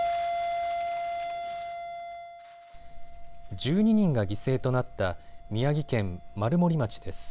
１２人が犠牲となった宮城県丸森町です。